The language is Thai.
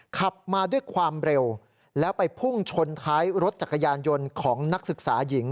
ขับมาด้วยความเร็วแล้วไปพุ่งชนท้ายรถจักรยานยนต์ของนักศึกษาหญิง